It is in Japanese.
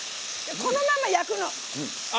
このまま焼くの！